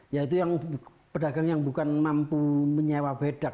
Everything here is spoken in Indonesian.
yaitu yang pedagang yang bukan mampu menyewa bedak